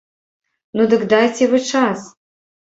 Ну дык дайце вы час!